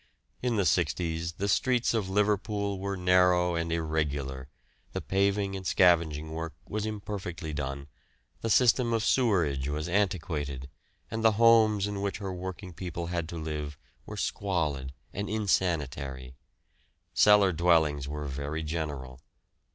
In the 'sixties the streets of Liverpool were narrow and irregular, the paving and scavenging work was imperfectly done, the system of sewerage was antiquated, and the homes in which her working people had to live were squalid and insanitary; cellar dwellings were very general.